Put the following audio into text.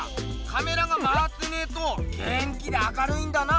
カメラがまわってねえと元気で明るいんだな！